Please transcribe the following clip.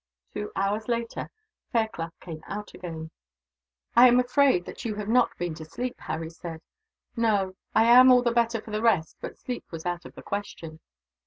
Two hours later, Fairclough came out again. "I am afraid that you have not been to sleep," Harry said. "No. I am all the better for the rest, but sleep was out of the question.